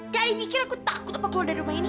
dadi mikir aku takut apa keluar dari rumah ini